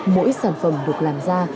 mỗi sản phẩm được làm ra